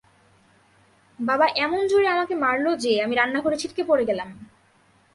বাবা এমন জোরে আমাকে মারলো যে, আমি রান্নাঘরে ছিটকে পরে গেলাম।